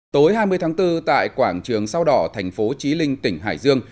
tối hai mươi tháng bốn tại quảng trường sao đỏ thành phố trí linh tỉnh hải dương